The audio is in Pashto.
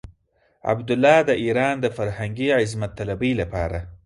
عبدالله د ايران د فرهنګي عظمت طلبۍ لپاره.